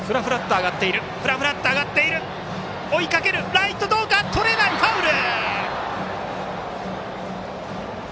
ライトとれないファウル！